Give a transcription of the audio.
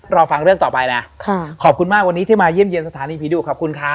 รอฟังเรื่องต่อไปนะขอบคุณมากวันนี้ที่มาเยี่ยมเยี่ยมสถานีผีดุขอบคุณค่ะ